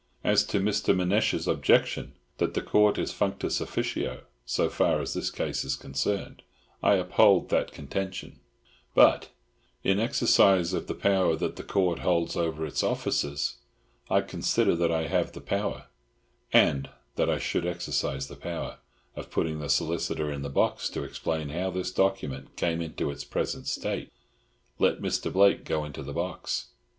As to Mr. Manasseh's objection, that the Court is functus officio so far as this case is concerned, I uphold that contention; but, in exercise of the power that the Court holds over its officers, I consider that I have the power—and that I should exercise the power—of putting the solicitor in the box to explain how this document came into its present state. Let Mr. Blake go into the box."